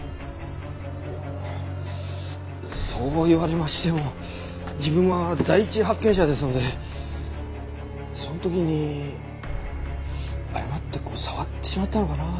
いやそう言われましても自分は第一発見者ですのでその時に誤ってこう触ってしまったのかな。